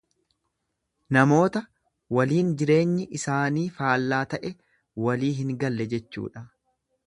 Namoota waliin jireenyi isaanii faallaa ta'e, walii hin galle jechuudha.